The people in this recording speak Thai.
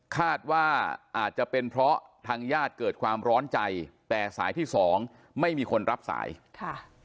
คาดว่าอาจจะเป็นเพราะทางญาติเกิดความร้อนใจแต่สายที่สองไม่มีคนรับสายค่ะ